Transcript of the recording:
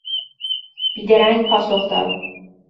بیدرنگ پاسخ داد.